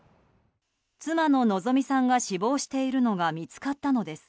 妻の希美さんが死亡しているのが見つかったのです。